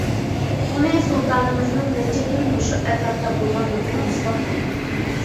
بۇنى سۇلتانىمىزنىڭ «نەچچە كۈن مۇشۇ ئەتراپتا بولغان» لىقىمۇ ئىسپاتلايدۇ.